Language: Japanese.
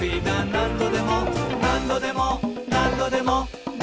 「なんどでもなんどでもなんどでも」